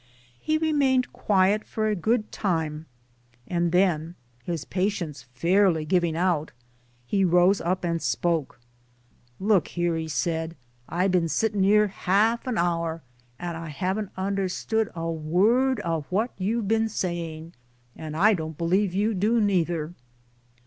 He remained quiet for a good time ; and then his patience fairly giving out he rose up and spoke. " Look 'ere," be said, " I've been' UNIVERSITY EXTENSION 85 sit tin* 'ere 'alf an hour and I haven't understood a word of what you've been saying, and I don't believe you do neither."